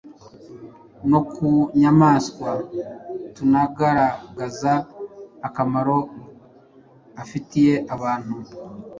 no ku nyamaswa tunagaragaza akamaro afitiye abantu.